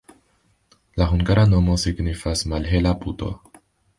La hungara nomo signifas: malhela puto.